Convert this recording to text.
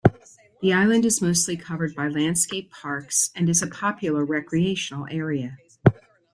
The island is mostly covered by landscape parks, and is a popular recreational area.